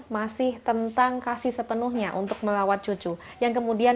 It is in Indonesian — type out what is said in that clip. masih tentang kasih sepenuhnya untuk mereka yang dihadapi dan yang dihadapi dan yang dihadapi dan